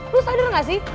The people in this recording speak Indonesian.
lo sadar gak sih